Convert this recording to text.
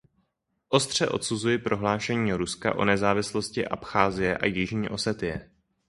Ostře odsuzuji prohlášení Ruska o nezávislosti Abcházie a Jižní Osetie.